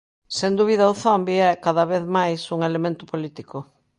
Sen dúbida, o zombi é, cada vez máis, un elemento político.